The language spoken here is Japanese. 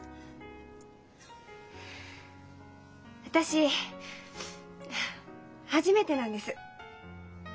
私初めてなんです。